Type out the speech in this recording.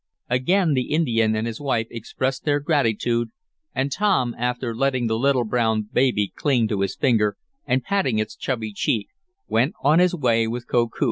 Again the Indian and his wife expressed their gratitude, and Tom, after letting the little brown baby cling to his finger, and patting its chubby cheek, went on his way with Koku.